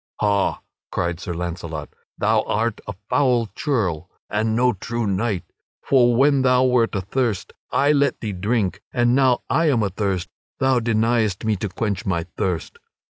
"Ha!" cried Sir Launcelot, "thou art a foul churl and no true knight. For when thou wert athirst, I let thee drink; and now that I am athirst, thou deniest me to quench my thirst."